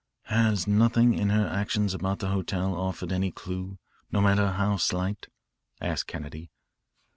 "Has nothing in her actions about the hotel offered any clue, no matter how slight?" asked Kennedy.